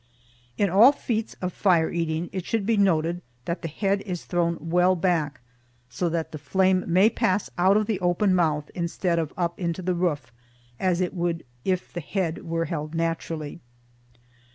In all feats of fire eating it should be noted that the head is thrown well back, so that the flame may pass out of the open mouth instead of up into the roof, as it would if the head were held naturally.